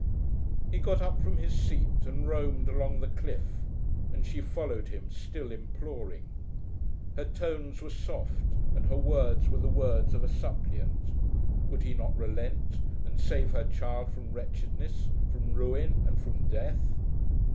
He got up from his seat and roamed along the cliff, and she followed him, still imploring. Her tones were soft, and her words were the words of a suppliant. Would he not relent and save her child from wretchedness, from ruin and from death.